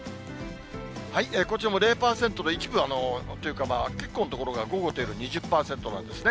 こちらも０％で、一部というか、結構の所が午後と夜２０％なんですね。